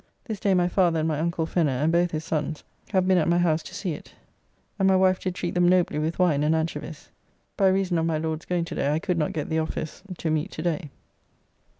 This day my father and my uncle Fenner, and both his sons, have been at my house to see it, and my wife did treat them nobly with wine and anchovies. By reason of my Lord's going to day I could not get the office to meet to day.